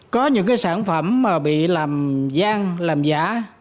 có những cái sản phẩm mà bị làm gian làm giả